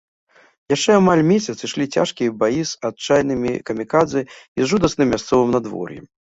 Яшчэ амаль месяц ішлі цяжкія баі з адчайнымі камікадзэ і з жудасным мясцовым надвор'ем.